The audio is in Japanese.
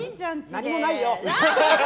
何もないよ！